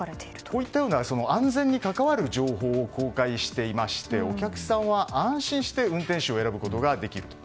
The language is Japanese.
こういった安全に関わる情報を公開していましてお客さんは安心して運転手を選ぶことができると。